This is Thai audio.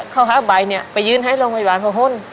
เขาห้าใบไปยืนให้โรงพยาบาลพ่อฮ่น